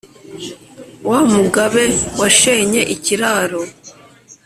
wa mugabe washenye ikiraro